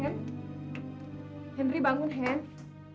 henry bangun henry